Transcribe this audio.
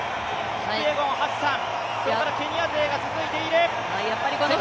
キピエゴン、ハッサン、ケニア勢が続いている。